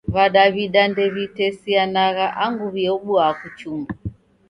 W'adaw'ida ndewitesianagha angu w'aobua kuchumbwa.